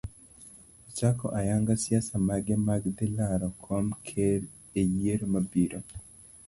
Ochako ayanga siasa mage mag dhi laro kom ker eyiero mabiro.